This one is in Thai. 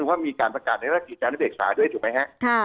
และมีออกการประกาศการน้ำเด็กสาวด้วยถูกไหมคะ